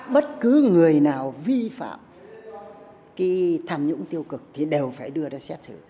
bất cứ người nào vi phạm cái tham nhũng tiêu cực thì đều phải đưa ra xét xử